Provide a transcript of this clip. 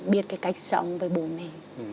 biết cái cách sống với bố mẹ